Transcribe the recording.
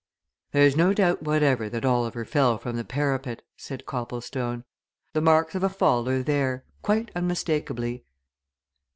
"There's no doubt whatever that Oliver fell from the parapet," said Copplestone. "The marks of a fall are there quite unmistakably."